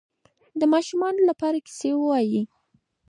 د ماشومانو لپاره کیسې ووایئ.